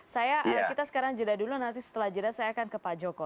saya kita sekarang jeda dulu nanti setelah jeda saya akan ke pak joko